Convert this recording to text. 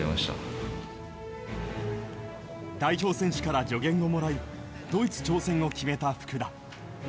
代表選手から助言をもらいドイツ挑戦を決めた福田。